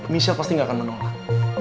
michelle pasti gak akan menolak